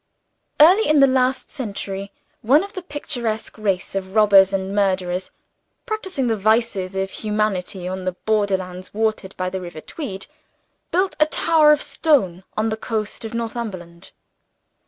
Early in the last century one of the picturesque race of robbers and murderers, practicing the vices of humanity on the borderlands watered by the river Tweed, built a tower of stone on the coast of Northumberland.